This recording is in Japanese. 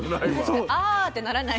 確かにあ！ってならない。